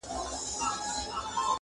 یو کارګه وو څه پنیر یې وو غلا کړی٫